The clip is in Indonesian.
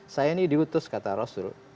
saya ini diutus kata rasul